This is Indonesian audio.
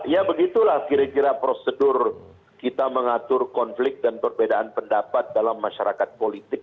ya begitulah kira kira prosedur kita mengatur konflik dan perbedaan pendapat dalam masyarakat politik